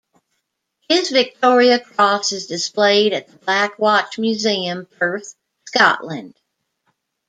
His Victoria Cross is displayed at the Black Watch Museum, Perth, Scotland.